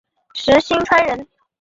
石星川人。